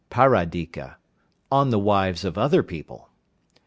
Paradika (on the wives of other people).